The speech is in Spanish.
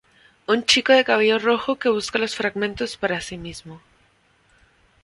Un chico de cabello rojo que busca los fragmentos para sí mismo.